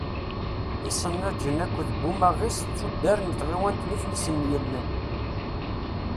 Isenajen akked Bumaɣis d tuddar n tɣiwant n Iflisen n yilel.